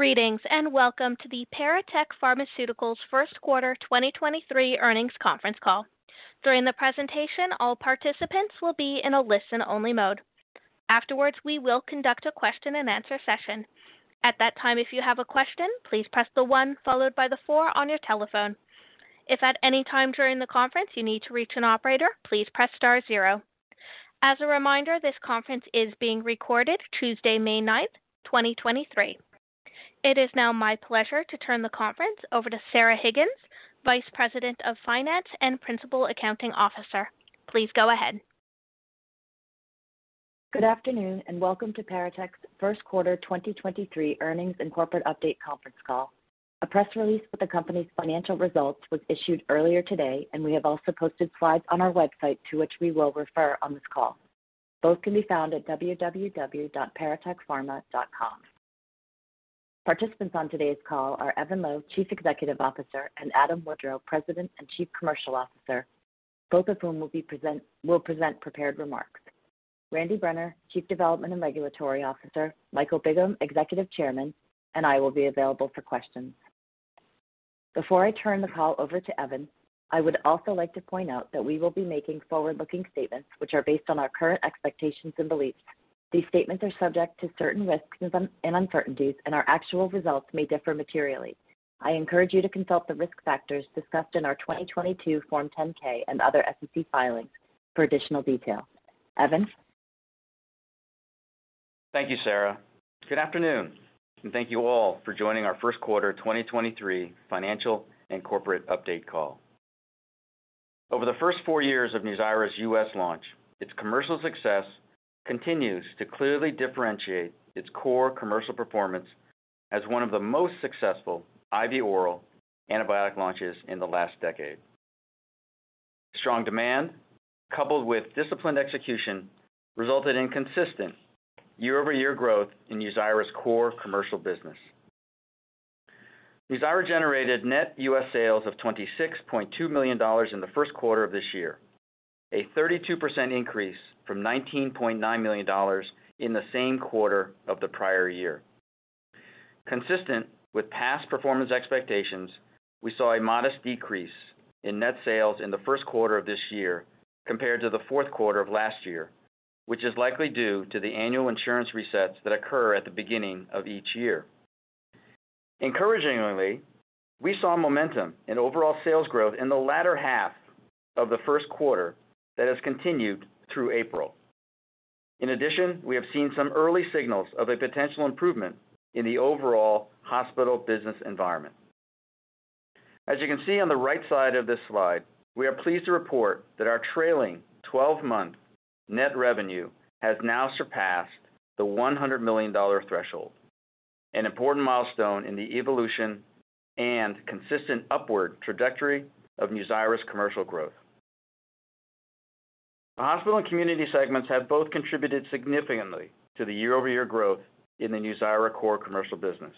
Greetings, welcome to the Paratek Pharmaceuticals first quarter 2023 earnings conference call. During the presentation, all participants will be in a listen-only mode. Afterwards, we will conduct a question-and-answer session. At that time, if you have a question, please press the one followed by the four on your telephone. If at any time during the conference you need to reach an operator, please press star zero. As a reminder, this conference is being recorded Tuesday, May 9th, 2023. It is now my pleasure to turn the conference over to Sarah Higgins, Vice President of Finance and Principal Accounting Officer. Please go ahead. Good afternoon, welcome to Paratek's first quarter 2023 earnings and corporate update conference call. A press release with the company's financial results was issued earlier today, and we have also posted slides on our website to which we will refer on this call. Both can be found at www.paratekpharma.com. Participants on today's call are Evan Loh, Chief Executive Officer, and Adam Woodrow, President and Chief Commercial Officer, both of whom will present prepared remarks. Randy Brenner, Chief Development and Regulatory Officer, Michael Bigham, Executive Chairman, and I will be available for questions. Before I turn the call over to Evan, I would also like to point out that we will be making forward-looking statements which are based on our current expectations and beliefs. These statements are subject to certain risks and uncertainties, and our actual results may differ materially. I encourage you to consult the risk factors discussed in our 2022 Form 10-K and other SEC filings for additional detail. Evan? Thank you, Sarah. Good afternoon, thank you all for joining our first quarter 2023 financial and corporate update call. Over the first four years of NUZYRA's U.S. launch, its commercial success continues to clearly differentiate its core commercial performance as one of the most successful IV oral antibiotic launches in the last decade. Strong demand, coupled with disciplined execution, resulted in consistent year-over-year growth in NUZYRA's core commercial business. NUZYRA generated net U.S. sales of $26.2 million in the first quarter of this year, a 32% increase from $19.9 million in the same quarter of the prior year. Consistent with past performance expectations, we saw a modest decrease in net sales in the first quarter of this year compared to the fourth quarter of last year, which is likely due to the annual insurance resets that occur at the beginning of each year. Encouragingly, we saw momentum in overall sales growth in the latter half of the first quarter that has continued through April. We have seen some early signals of a potential improvement in the overall hospital business environment. As you can see on the right side of this slide, we are pleased to report that our trailing 12-month net revenue has now surpassed the $100 million threshold, an important milestone in the evolution and consistent upward trajectory of NUZYRA's commercial growth. The hospital and community segments have both contributed significantly to the year-over-year growth in the NUZYRA core commercial business.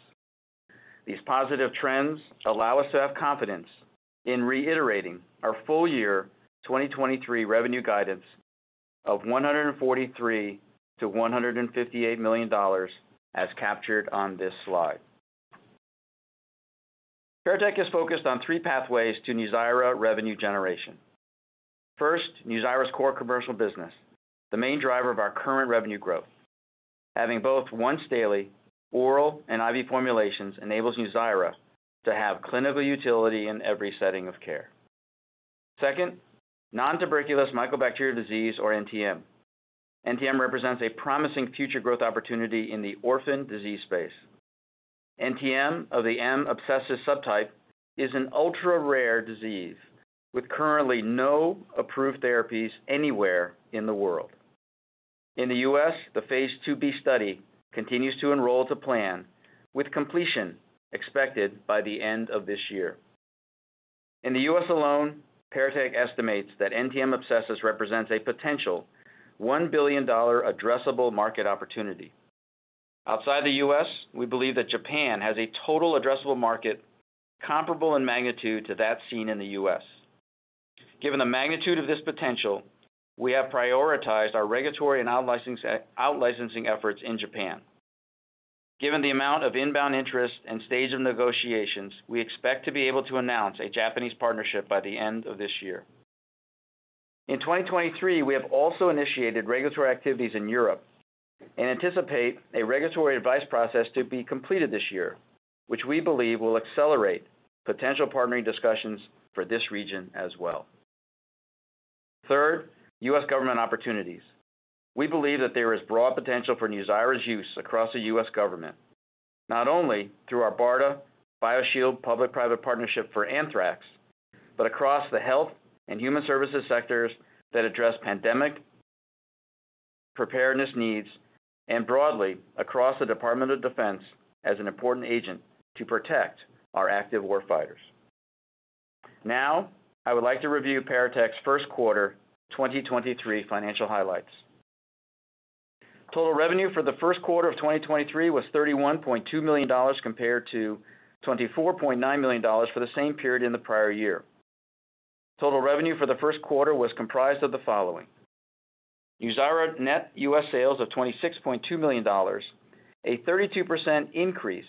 These positive trends allow us to have confidence in reiterating our full year 2023 revenue guidance of $143 million-$158 million, as captured on this slide. Paratek is focused on three pathways to NUZYRA revenue generation. First, NUZYRA's core commercial business, the main driver of our current revenue growth. Having both once daily oral and IV formulations enables NUZYRA to have clinical utility in every setting of care. Second, nontuberculous mycobacteria disease, or NTM. NTM represents a promising future growth opportunity in the orphan disease space. NTM of the M. abscessus subtype is an ultra-rare disease with currently no approved therapies anywhere in the world. In the U.S., the phase 2b study continues to enroll to plan, with completion expected by the end of this year. In the U.S. alone, Paratek estimates that NTM abscessus represents a potential $1 billion addressable market opportunity. Outside the U.S., we believe that Japan has a total addressable market comparable in magnitude to that seen in the U.S. Given the magnitude of this potential, we have prioritized our regulatory and out-licensing efforts in Japan. Given the amount of inbound interest and stage of negotiations, we expect to be able to announce a Japanese partnership by the end of this year. In 2023, we have also initiated regulatory activities in Europe and anticipate a regulatory advice process to be completed this year, which we believe will accelerate potential partnering discussions for this region as well. Third, U.S. government opportunities. We believe that there is broad potential for NUZYRA's use across the U.S. government, not only through our BARDA BioShield public-private partnership for anthrax, but across the health and human services sectors that address pandemic preparedness needs and broadly across the Department of Defense as an important agent to protect our active war fighters. I would like to review Paratek's first quarter 2023 financial highlights. Total revenue for the first quarter of 2023 was $31.2 million compared to $24.9 million for the same period in the prior year. Total revenue for the first quarter was comprised of the following. NUZYRA net U.S. sales of $26.2 million, a 32% increase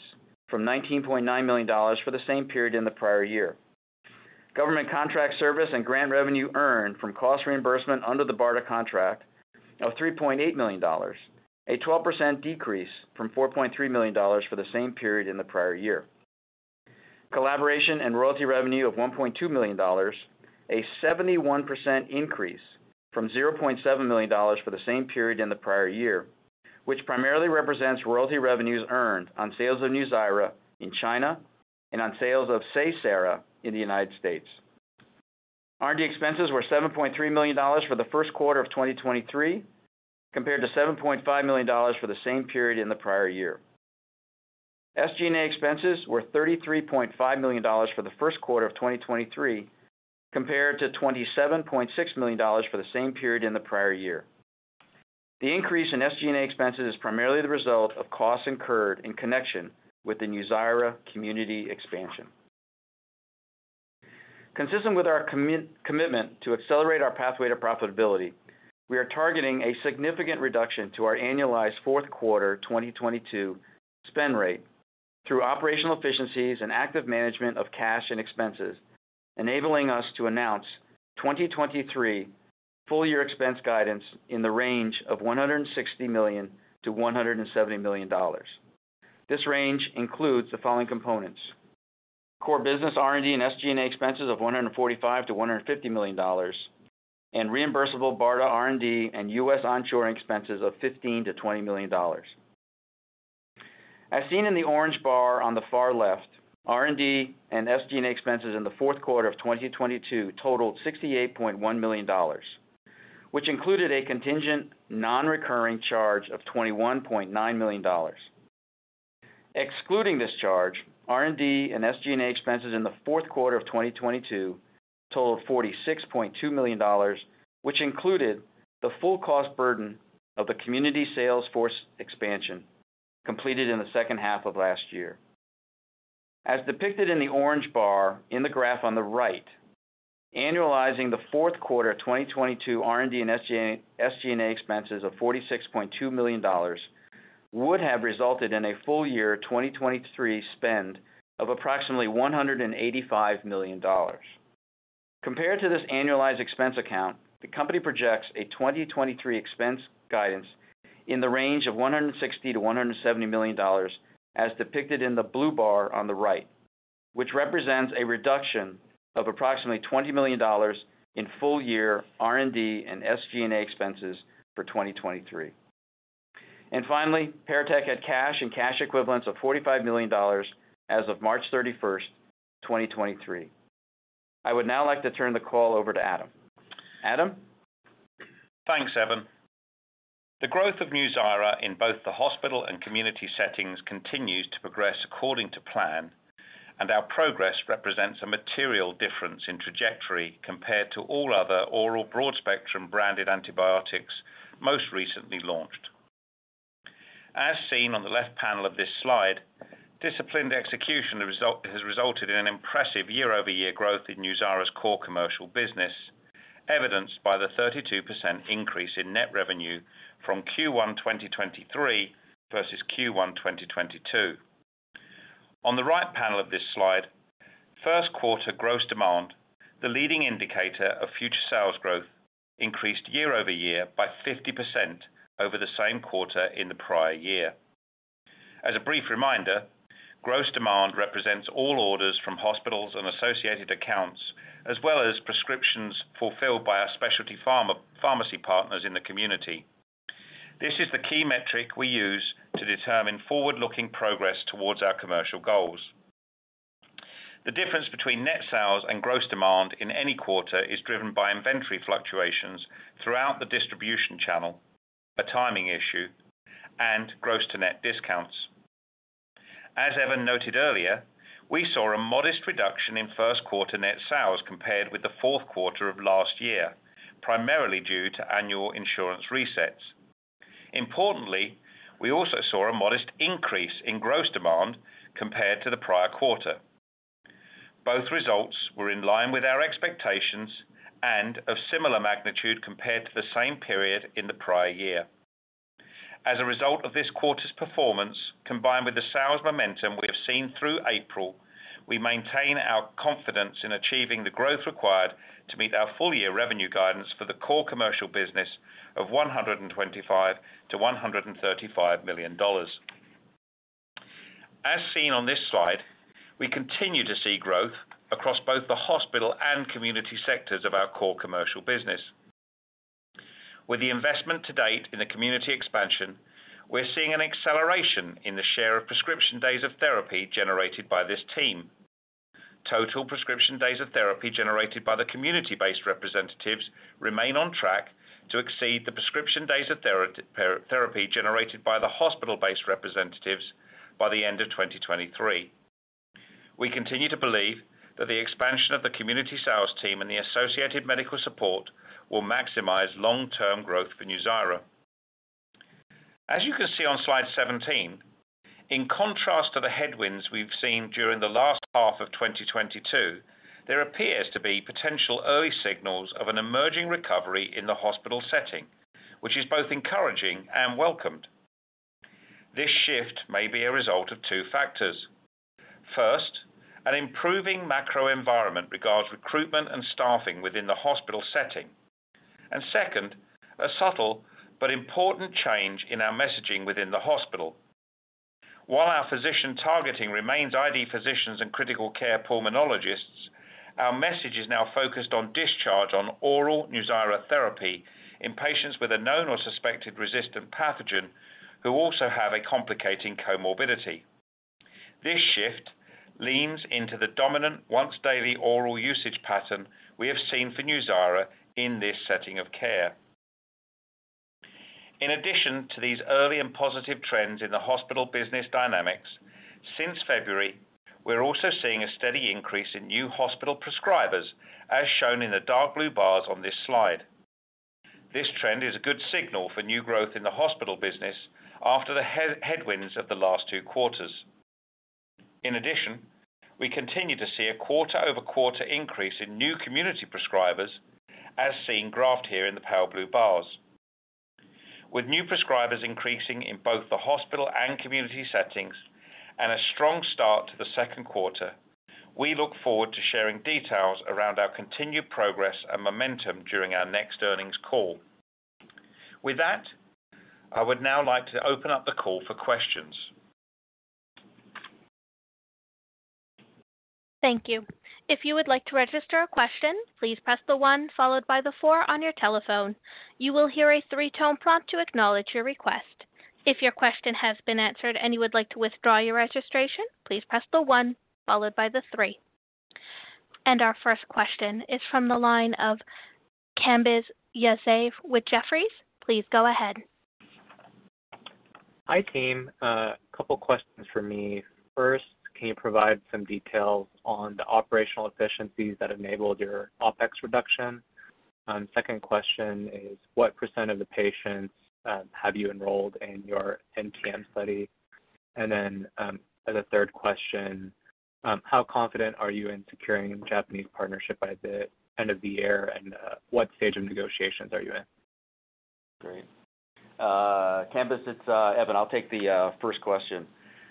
from $19.9 million for the same period in the prior year. Government contract service and grant revenue earned from cost reimbursement under the BARDA contract of $3.8 million, a 12% decrease from $4.3 million for the same period in the prior year. Collaboration and royalty revenue of $1.2 million, a 71% increase from $0.7 million for the same period in the prior year, which primarily represents royalty revenues earned on sales of NUZYRA in China and on sales of SEYSARA in the United States. R&D expenses were $7.3 million for the first quarter of 2023, compared to $7.5 million for the same period in the prior year. SG&A expenses were $33.5 million for the first quarter of 2023, compared to $27.6 million for the same period in the prior year. The increase in SG&A expenses is primarily the result of costs incurred in connection with the NUZYRA community expansion. Consistent with our commitment to accelerate our pathway to profitability, we are targeting a significant reduction to our annualized fourth quarter 2022 spend rate through operational efficiencies and active management of cash and expenses, enabling us to announce 2023 full year expense guidance in the range of $160 million-$170 million. This range includes the following components: Core business R&D and SG&A expenses of $145 million-$150 million, and reimbursable BARDA R&D and U.S. onshoring expenses of $15 million-$20 million. As seen in the orange bar on the far left, R&D and SG&A expenses in the fourth quarter of 2022 totaled $68.1 million, which included a contingent non-recurring charge of $21.9 million. Excluding this charge, R&D and SG&A expenses in the fourth quarter of 2022 totaled $46.2 million, which included the full cost burden of the community sales force expansion completed in the second half of last year. As depicted in the orange bar in the graph on the right, annualizing the fourth quarter 2022 R&D and SG&A expenses of $46.2 million would have resulted in a full year 2023 spend of approximately $185 million. Compared to this annualized expense account, the company projects a 2023 expense guidance in the range of $160 million-$170 million as depicted in the blue bar on the right, which represents a reduction of approximately $20 million in full year R&D and SG&A expenses for 2023. Finally, Paratek had cash and cash equivalents of $45 million as of March 31, 2023. I would now like to turn the call over to Adam. Adam? Thanks, Evan. The growth of NUZYRA in both the hospital and community settings continues to progress according to plan. Our progress represents a material difference in trajectory compared to all other oral broad-spectrum branded antibiotics most recently launched. As seen on the left panel of this slide, disciplined execution has resulted in an impressive year-over-year growth in NUZYRA's core commercial business, evidenced by the 32% increase in net revenue from Q1 2023 versus Q1 2022. On the right panel of this slide, first quarter gross demand, the leading indicator of future sales growth, increased year-over-year by 50% over the same quarter in the prior year. As a brief reminder, gross demand represents all orders from hospitals and associated accounts, as well as prescriptions fulfilled by our specialty pharmacy partners in the community. This is the key metric we use to determine forward-looking progress towards our commercial goals. The difference between net sales and gross demand in any quarter is driven by inventory fluctuations throughout the distribution channel, a timing issue, and gross-to-net discounts. As Evan noted earlier, we saw a modest reduction in first quarter net sales compared with the fourth quarter of last year, primarily due to annual insurance resets. Importantly, we also saw a modest increase in gross demand compared to the prior quarter. Both results were in line with our expectations and of similar magnitude compared to the same period in the prior year. As a result of this quarter's performance, combined with the sales momentum we have seen through April, we maintain our confidence in achieving the growth required to meet our full year revenue guidance for the core commercial business of $125 million-$135 million. As seen on this slide, we continue to see growth across both the hospital and community sectors of our core commercial business. With the investment to date in the community expansion, we're seeing an acceleration in the share of prescription days of therapy generated by this team. Total prescription days of therapy generated by the community-based representatives remain on track to exceed the prescription days of therapy generated by the hospital-based representatives by the end of 2023. We continue to believe that the expansion of the community sales team and the associated medical support will maximize long-term growth for NUZYRA. As you can see on slide 17, in contrast to the headwinds we've seen during the last half of 2022, there appears to be potential early signals of an emerging recovery in the hospital setting, which is both encouraging and welcomed. This shift may be a result of two factors. First, an improving macro environment regards recruitment and staffing within the hospital setting. Second, a subtle but important change in our messaging within the hospital. While our physician targeting remains ID physicians and critical care pulmonologists, our message is now focused on discharge on oral NUZYRA therapy in patients with a known or suspected resistant pathogen who also have a complicating comorbidity. This shift leans into the dominant once daily oral usage pattern we have seen for NUZYRA in this setting of care. In addition to these early and positive trends in the hospital business dynamics, since February, we're also seeing a steady increase in new hospital prescribers, as shown in the dark blue bars on this slide. This trend is a good signal for new growth in the hospital business after the headwinds of the last two quarters. In addition, we continue to see a quarter-over-quarter increase in new community prescribers, as seen graphed here in the pale blue bars. With new prescribers increasing in both the hospital and community settings and a strong start to the second quarter, we look forward to sharing details around our continued progress and momentum during our next earnings call. With that, I would now like to open up the call for questions. Thank you. If you would like to register a question, please press the 1 followed by the 4 on your telephone. You will hear a 3-tone prompt to acknowledge your request. If your question has been answered and you would like to withdraw your registration, please press the 1 followed by the 3. Our first question is from the line of Kambiz Yazdi with Jefferies. Please go ahead. Hi, team. A couple questions for me. First, can you provide some details on the operational efficiencies that enabled your OpEx reduction? Second question is, what % of the patients have you enrolled in your NTM study? As a third question, how confident are you in securing a Japanese partnership by the end of the year? What stage of negotiations are you in? Great. Kambiz, it's Evan. I'll take the first question.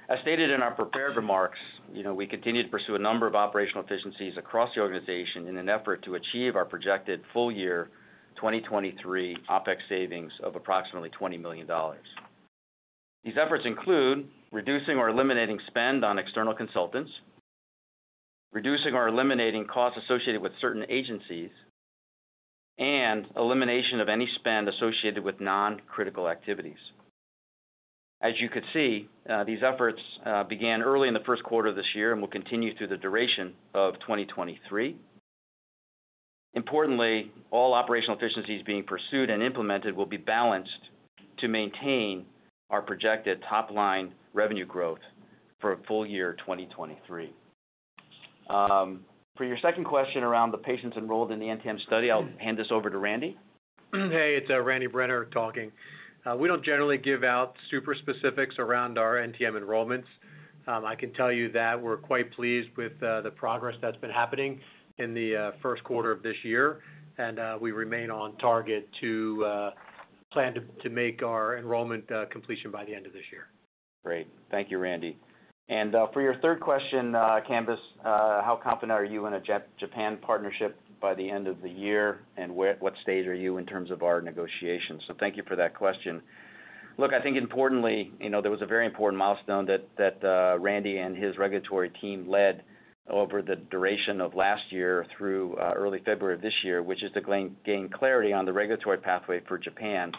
As stated in our prepared remarks, you know, we continue to pursue a number of operational efficiencies across the organization in an effort to achieve our projected full year 2023 OpEx savings of approximately $20 million. These efforts include reducing or eliminating spend on external consultants, reducing or eliminating costs associated with certain agencies, and elimination of any spend associated with non-critical activities. As you could see, these efforts began early in the first quarter of this year and will continue through the duration of 2023. Importantly, all operational efficiencies being pursued and implemented will be balanced to maintain our projected top-line revenue growth for full year 2023. For your second question around the patients enrolled in the NTM study, I'll hand this over to Randy. Hey, it's Randy Brenner talking. We don't generally give out super specifics around our NTM enrollments. I can tell you that we're quite pleased with the progress that's been happening in the first quarter of this year. We remain on target to plan to make our enrollment completion by the end of this year. Great. Thank you, Randy. For your third question, Kambiz, how confident are you in a Japan partnership by the end of the year, and what stage are you in terms of our negotiations? Thank you for that question. I think importantly, you know, there was a very important milestone that Randy and his regulatory team led over the duration of last year through early February of this year, which is to gain clarity on the regulatory pathway for Japan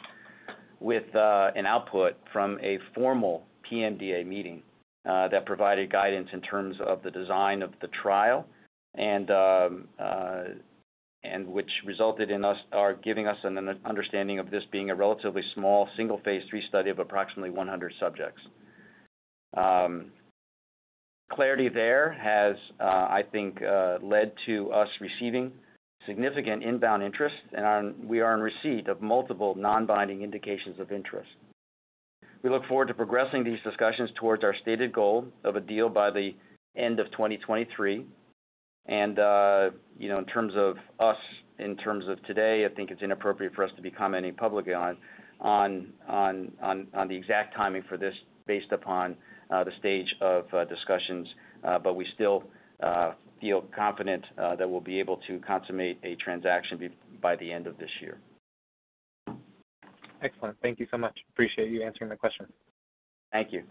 with an output from a formal PMDA meeting that provided guidance in terms of the design of the trial and which resulted in us or giving us an understanding of this being a relatively small single phase 3 study of approximately 100 subjects. Clarity there has, I think, led to us receiving significant inbound interest, and we are in receipt of multiple non-binding indications of interest. We look forward to progressing these discussions towards our stated goal of a deal by the end of 2023. You know, in terms of us, in terms of today, I think it's inappropriate for us to be commenting publicly on the exact timing for this based upon the stage of discussions, but we still feel confident that we'll be able to consummate a transaction by the end of this year. Excellent. Thank you so much. Appreciate you answering the question. Thank you.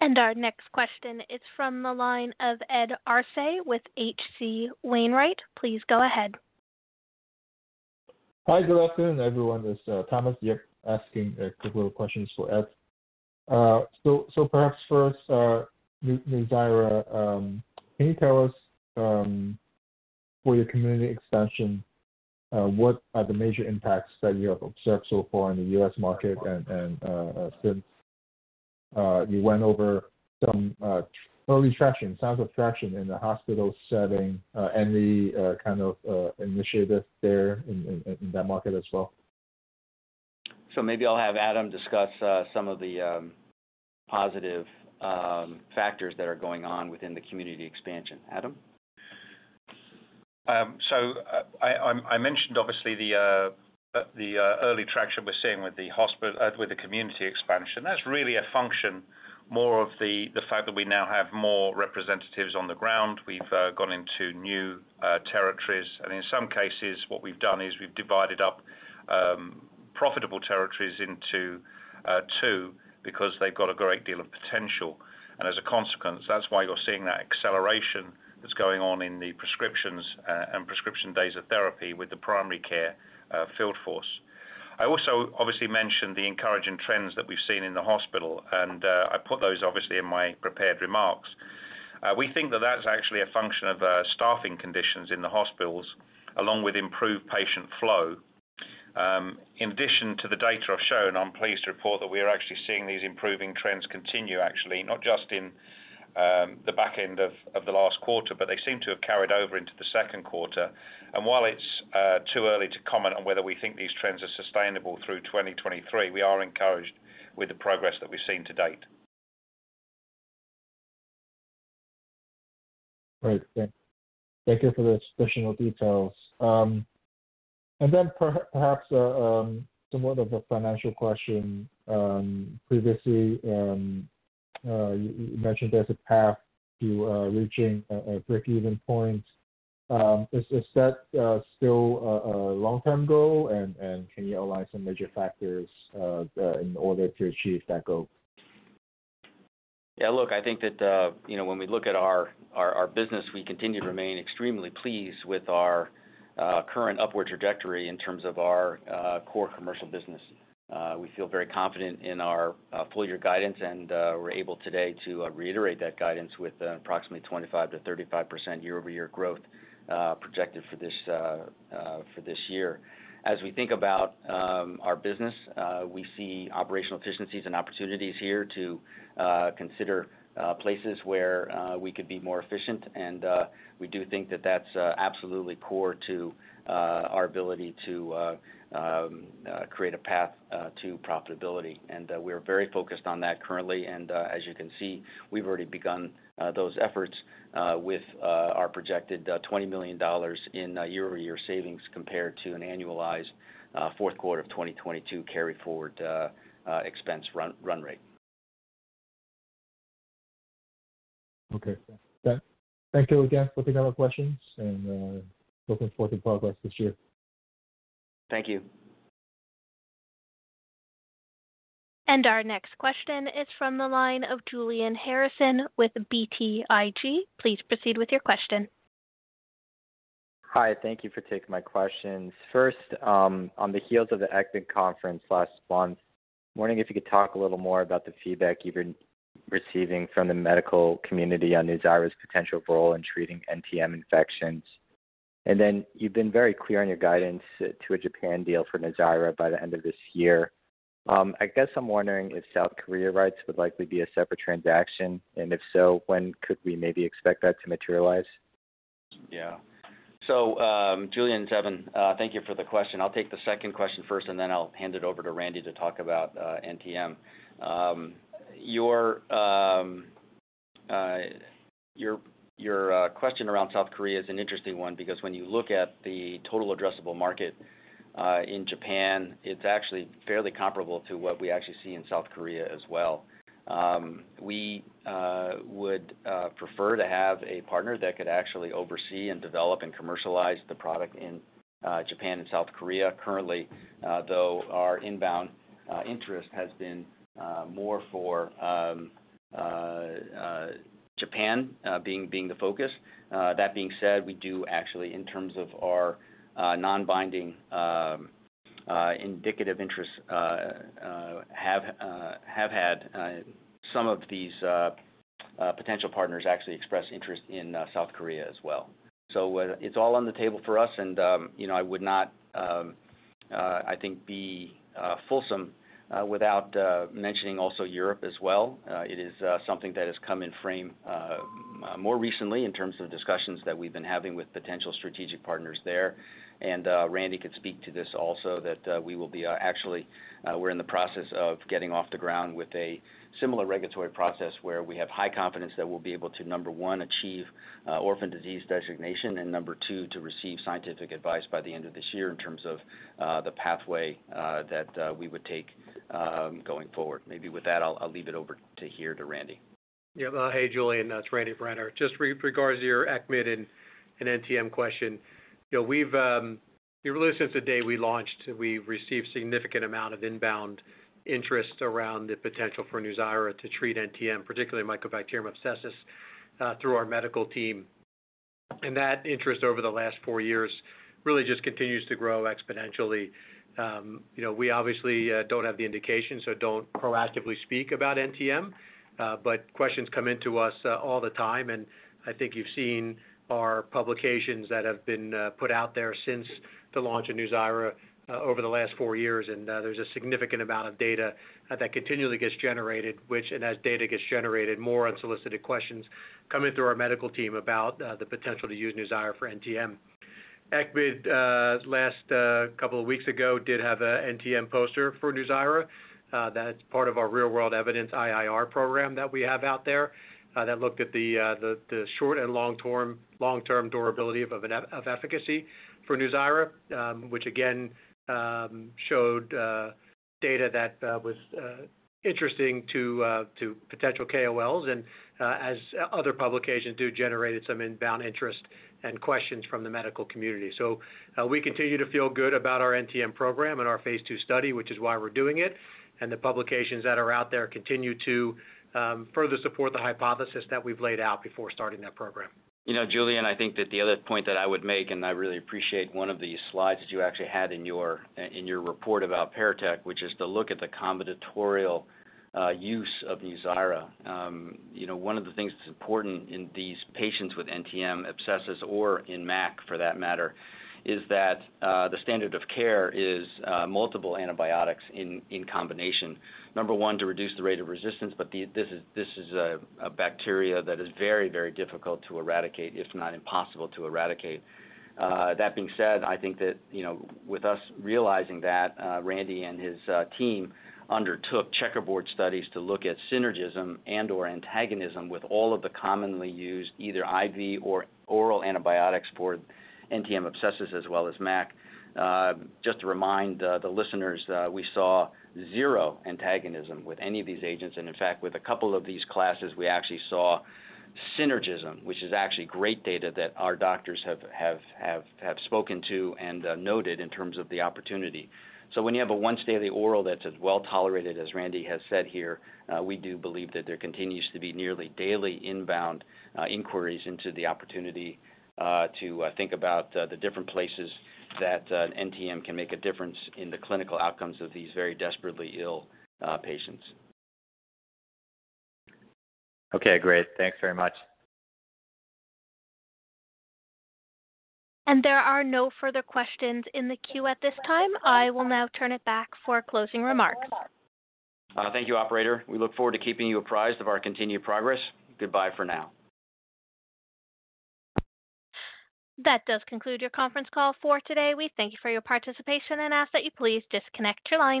Our next question is from the line of Ed Arce with H.C. Wainwright. Please go ahead. Hi. Good afternoon, everyone. This is Thomas Yip asking a couple of questions for Ed. So perhaps first, NUZYRA, can you tell us, for your community expansion, what are the major impacts that you have observed so far in the U.S. market and. You went over some early traction, signs of traction in the hospital setting, and the kind of initiative there in that market as well. Maybe I'll have Adam discuss, some of the positive factors that are going on within the community expansion. Adam? I mentioned obviously the early traction we're seeing with the community expansion. That's really a function more of the fact that we now have more representatives on the ground. We've gone into new territories. In some cases, what we've done is we've divided up profitable territories into two because they've got a great deal of potential. As a consequence, that's why you're seeing that acceleration that's going on in the prescriptions and prescription days of therapy with the primary care field force. I also obviously mentioned the encouraging trends that we've seen in the hospital, and I put those obviously in my prepared remarks. We think that that's actually a function of staffing conditions in the hospitals along with improved patient flow. In addition to the data I've shown, I'm pleased to report that we are actually seeing these improving trends continue actually, not just in, the back end of the last quarter, but they seem to have carried over into the second quarter. While it's too early to comment on whether we think these trends are sustainable through 2023, we are encouraged with the progress that we've seen to date. Great. Thank you for those additional details. Perhaps somewhat of a financial question. Previously, you mentioned there's a path to reaching a breakeven point. Is that still a long-term goal? Can you outline some major factors in order to achieve that goal? Yeah, look, I think that, you know, when we look at our, our business, we continue to remain extremely pleased with our current upward trajectory in terms of our core commercial business. We feel very confident in our full year guidance, and we're able today to reiterate that guidance with approximately 25%-35% year-over-year growth projected for this for this year. As we think about, our business, we see operational efficiencies and opportunities here to consider places where we could be more efficient. We do think that that's absolutely core to our ability to create a path to profitability. We're very focused on that currently. As you can see, we've already begun those efforts with our projected $20 million in year-over-year savings compared to an annualized fourth quarter of 2022 carry forward expense run rate. Okay. Thank you again for taking our questions, and looking forward to progress this year. Thank you. Our next question is from the line of Julian Harrison with BTIG. Please proceed with your question. Hi, thank you for taking my questions. First, on the heels of the ECCMID conference last month, wondering if you could talk a little more about the feedback you've been receiving from the medical community on NUZYRA's potential role in treating NTM infections. You've been very clear on your guidance to a Japan deal for NUZYRA by the end of this year. I guess I'm wondering if South Korea rights would likely be a separate transaction, and if so, when could we maybe expect that to materialize? Yeah. Julian, it's Evan. Thank you for the question. I'll take the second question first, and then I'll hand it over to Randy to talk about NTM. Your question around South Korea is an interesting one because when you look at the total addressable market, in Japan, it's actually fairly comparable to what we actually see in South Korea as well. We would prefer to have a partner that could actually oversee and develop and commercialize the product in Japan and South Korea. Currently, though, our inbound interest has been more for Japan, being the focus. That being said, we do actually, in terms of our non-binding, indicative interest, have had some of these potential partners actually express interest in South Korea as well. It's all on the table for us and, you know, I would not, I think be fulsome, without mentioning also Europe as well. It is something that has come in frame more recently in terms of discussions that we've been having with potential strategic partners there. Randy could speak to this also that we will be actually we're in the process of getting off the ground with a similar regulatory process where we have high confidence that we'll be able to, number one, achieve orphan drug designation, and number two, to receive scientific advice by the end of this year in terms of the pathway that we would take going forward. Maybe with that, I'll leave it over to here to Randy. Yeah. Hey, Julian, it's Randy Brenner. Just regards to your ECCMID and NTM question. You know, we've really since the day we launched, we've received significant amount of inbound interest around the potential for NUZYRA to treat NTM, particularly Mycobacterium abscessus, through our medical team. That interest over the last four years really just continues to grow exponentially. You know, we obviously don't have the indication, so don't proactively speak about NTM. But questions come in to us all the time, and I think you've seen our publications that have been put out there since the launch of NUZYRA over the last four years. There's a significant amount of data that continually gets generated, and as data gets generated, more unsolicited questions come in through our medical team about the potential to use NUZYRA for NTM. ECCMID, last couple of weeks ago did have a NTM poster for NUZYRA, that is part of our real-world evidence IIR program that we have out there, that looked at the short- and long-term durability of efficacy for NUZYRA. Which again, showed data that was interesting to potential KOLs and, as other publications do, generated some inbound interest and questions from the medical community. We continue to feel good about our NTM program and our phase 2 study, which is why we're doing it. The publications that are out there continue to further support the hypothesis that we've laid out before starting that program. You know, Julian, I think that the other point that I would make. I really appreciate one of the slides that you actually had in your, in your report about Paratek, which is to look at the combinatorial, use of NUZYRA. You know, one of the things that's important in these patients with NTM abscesses, or in MAC for that matter, is that, the standard of care is, multiple antibiotics in combination. Number one, to reduce the rate of resistance. This is a bacteria that is very, very difficult to eradicate, if not impossible to eradicate. That being said, I think that, you know, with us realizing that, Randy and his team undertook checkerboard studies to look at synergism and/or antagonism with all of the commonly used either IV or oral antibiotics for NTM abscesses as well as MAC. Just to remind the listeners, we saw 0 antagonism with any of these agents. In fact, with a couple of these classes, we actually saw synergism, which is actually great data that our doctors have spoken to and noted in terms of the opportunity. When you have a once daily oral that's as well-tolerated as Randy has said here, we do believe that there continues to be nearly daily inbound inquiries into the opportunity to think about the different places that NTM can make a difference in the clinical outcomes of these very desperately ill patients. Okay, great. Thanks very much. There are no further questions in the queue at this time. I will now turn it back for closing remarks. Thank you, operator. We look forward to keeping you apprised of our continued progress. Goodbye for now. That does conclude your conference call for today. We thank you for your participation and ask that you please disconnect your line.